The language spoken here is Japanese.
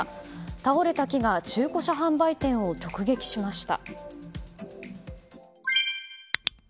倒れた木が中古車販売店を直撃しました。